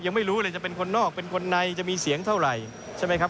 ยังไม่รู้เลยจะเป็นคนนอกเป็นคนในจะมีเสียงเท่าไหร่ใช่ไหมครับ